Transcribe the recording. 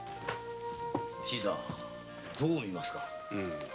新さんどう見ます？